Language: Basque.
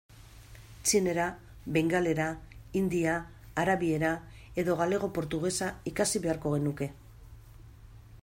Txinera, bengalera, hindia, arabiera, edo galego-portugesa ikasi beharko genuke.